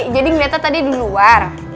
jadi ngeliatnya tadi di luar